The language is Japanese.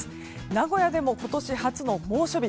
名古屋でも今年初の猛暑日。